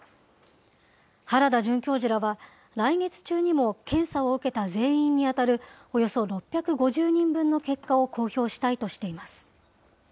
原田准教授らは来月中にも検査を受けた全員に当たるおよそ６５０人分の結果を公表したいとしています。